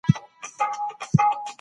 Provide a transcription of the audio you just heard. خلګ د بې عدالتۍ پر وړاندې څه غبرګون ښيي؟